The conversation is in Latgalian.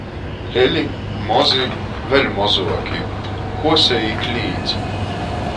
Leli, mozi, vēļ mozuoki. Kuosej i klīdz.